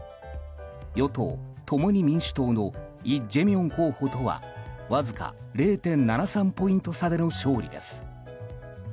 与党・共に民主党のイ・ジェミョン候補とはわずか０．７３ポイント差での勝利です。